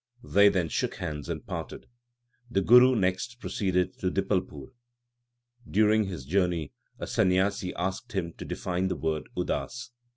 They then shook hands and parted. The Guru next proceeded to Dipalpur. During his journey a Sanyasi asked him to define the word udas.